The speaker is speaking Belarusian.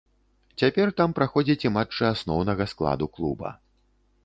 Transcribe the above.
Цяпер там праходзяць і матчы асноўнага складу клуба.